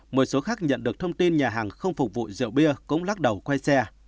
một số khác nhận được thông tin nhà hàng không phục vụ rượu bia cũng lắc đầu quay xe